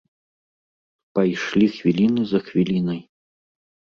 Пайшлі хвіліны за хвілінай.